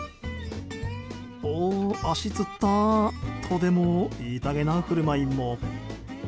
おー、足つった、とでも言いたげな振る舞いも。